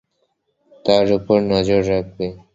তার উপর নজর রাখবে।